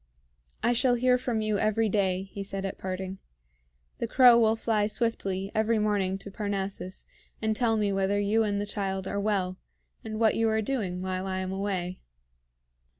"I shall hear from you every day," he said at parting. "The crow will fly swiftly every morning to Parnassus, and tell me whether you and the child are well, and what you are doing while I am away."